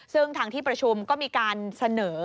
ซึ่งทางที่ประชุมก็มีการเสนอ